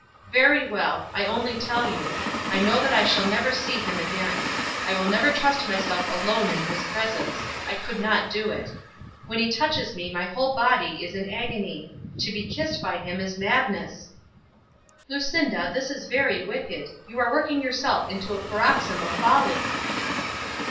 "Very well. I only tell you. I know that I shall never see him again. I will never trust myself alone in his presence. I could not do it. When he touches me my whole body is in agony. To be kissed by him is madness." "Lucinda, this is very wicked. You are working yourself up to a paroxysm of folly."